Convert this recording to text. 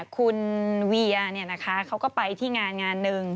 คุณเวียนี่นะคะเขาก็ไปที่งานหนึ่ง